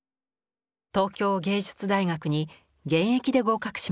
東京藝術大学に現役で合格しました。